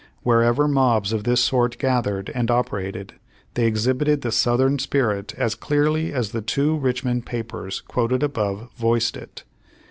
Wherever mobs of this sort gathered and operated, they exhibited the Southern spirit as clearly as the two Rich mond papers quoted above voiced it.